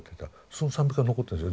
その賛美歌は残ってるんですよ